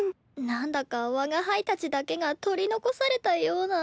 なんだか我が輩たちだけが取り残されたような。